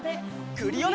クリオネ！